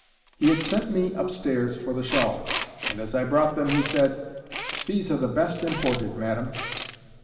He had sent me up stairs for the shawls, and as I brought them he said, "These are the best imported, madam."